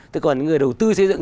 thế còn người đầu tư xây dựng